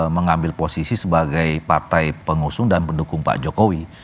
mengambil posisi sebagai partai pengusung dan pendukung pak jokowi